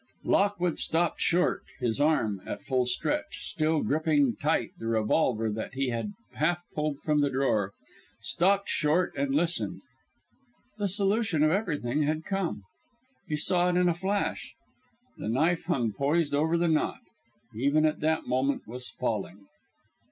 Lockwood stopped short, his arm at full stretch, still gripping tight the revolver that he had half pulled from the drawer stopped short and listened. The solution of everything had come. He saw it in a flash. The knife hung poised over the knot even at that moment was falling.